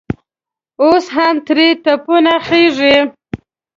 اوس هم ترې تپونه خېژي.